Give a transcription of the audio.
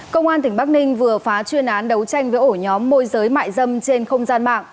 công an tỉnh bắc ninh vừa phá chuyên án đấu tranh với ổ nhóm môi giới mại dâm trên không gian mạng